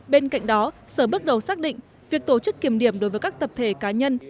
bên cạnh đó sở bước đầu xác định việc tổ chức kiểm điểm đối với các tập thể cá nhân